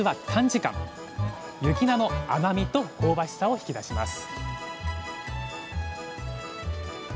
雪菜の甘みと香ばしさを引き出します